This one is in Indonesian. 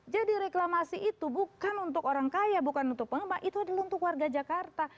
jadi reklamasi itu bukan untuk orang kaya bukan untuk pengembang itu adalah untuk warga jakarta